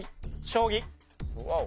将棋。